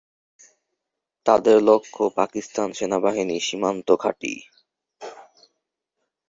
তাদের লক্ষ্য পাকিস্তান সেনাবাহিনীর সীমান্ত ঘাঁটি।